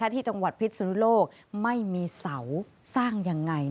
ที่จังหวัดพิษสุนุโลกไม่มีเสาสร้างยังไง